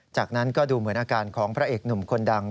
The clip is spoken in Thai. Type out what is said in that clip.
จากนั้นก็ดูเหมือนอาการของพระเอกหนุ่มคนดัง